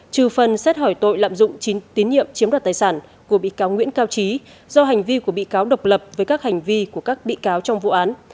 trừ phần xét hỏi tội lạm dụng tín nhiệm chiếm đoạt tài sản của bị cáo nguyễn cao trí do hành vi của bị cáo độc lập với các hành vi của các bị cáo trong vụ án